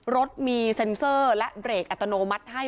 รถมีเซ็นเซอร์และเบรกอัตโนมัติให้